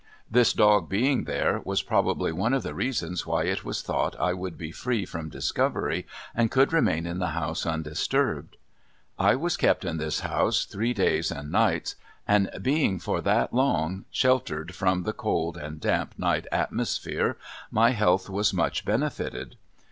This dog being there was probably one of the reasons why it was thought I would be free from discovery and could remain in the house undisturbed. I was kept in this house three days and nights, and being for that long sheltered from the cold and damp night atmosphere, my health was much benefitted.